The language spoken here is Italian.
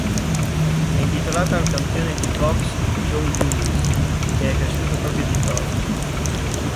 È intitolata al campione di boxe Joe Louis, che è cresciuto proprio a Detroit.